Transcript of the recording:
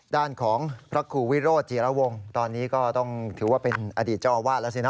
ด้านของพระครูวิโรธจีระวงตอนนี้ก็ต้องถือว่าเป็นอดีตเจ้าอาวาสแล้วสินะ